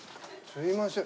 すいません。